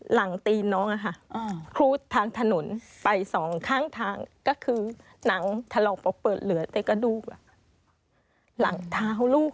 หลังตีนน้องอะค่ะครูดทางถนนไปสองข้างทางก็คือหนังถลอกเปิดเหลือแต่กระดูกหลังเท้าลูก